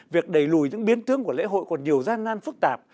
việc đẩy lùi những biến tướng của lễ hội còn nhiều gian nan phức tạp